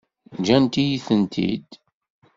Ǧǧant-iyi-tent-id?